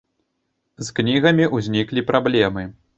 З кнігамі ўзніклі праблемы.